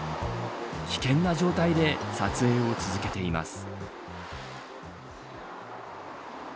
危険な状態で撮影を続けています。